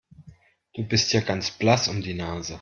Du bist ja ganz blass um die Nase.